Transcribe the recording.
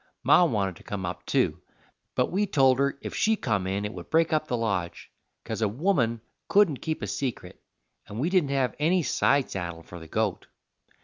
Ma wanted to come up, too, but we told her if she come in it would break up the lodge, 'cause a woman couldn't keep a secret, and we didn't have any side saddle for the goat.